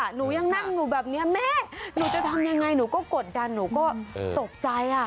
หนูยังนั่งอยู่แบบนี้แม่หนูจะทำยังไงหนูก็กดดันหนูก็ตกใจอ่ะ